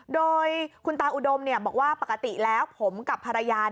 โดยคุณตาอุดมบอกว่าปกติแล้วผมกับภรรยา